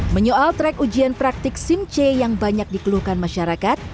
menyoal track ujian praktik simc yang banyak dikeluhkan masyarakat